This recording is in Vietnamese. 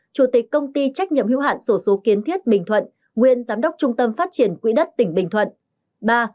chủ tịch công ty trách nhiệm hưu hạn sổ số kiến thiết bình thuận nguyên giám đốc trung tâm phát triển quỹ đất tỉnh bình thuận